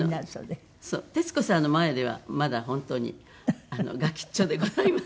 徹子さんの前ではまだ本当にがきんちょでございます。